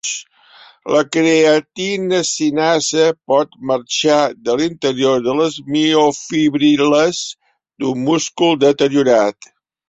La creatina-cinasa pot marxar de l'interior de les miofibril·les d'un múscul deteriorat.